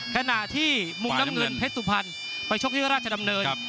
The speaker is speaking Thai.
ขณะที่มุมน้ำเงินเพชรสุพรรณไปชกที่ราชดำเนิน